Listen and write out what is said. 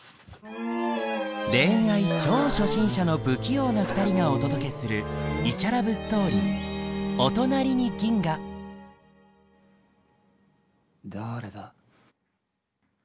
恋愛超初心者の不器用な２人がお届けするイチャラブストーリーだれだ？